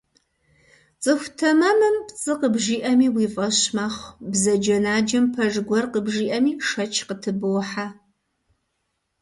ЦӀыху тэмэмым пцӀы къыбжиӀэми уи фӀэщ мэхъу, бзаджэнаджэм пэж гуэр къыбжиӀэми, шэч къытыбохьэ.